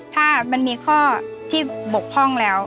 ถ้ามันมีข้อที่บกพร่องแล้ว